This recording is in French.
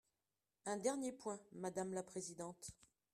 Un dernier point, madame la présidente.